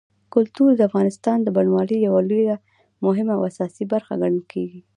کلتور د افغانستان د بڼوالۍ یوه ډېره مهمه او اساسي برخه ګڼل کېږي.